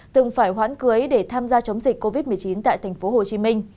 từng phải hoãn cưới để tham gia chống dịch covid một mươi chín tại tp hcm